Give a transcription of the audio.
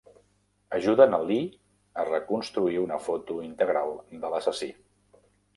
Ajuden a Lee a reconstruir una foto integral de l'assassí.